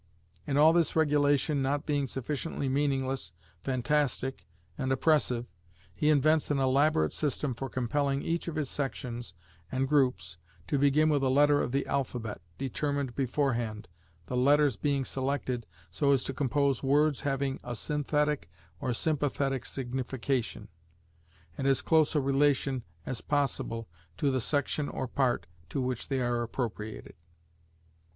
And all this regulation not being sufficiently meaningless, fantastic, and oppressive, he invents an elaborate system for compelling each of his sections and groups to begin with a letter of the alphabet, determined beforehand, the letters being selected so as to compose words having "a synthetic or sympathetic signification," and as close a relation as possible to the section or part to which they are appropriated.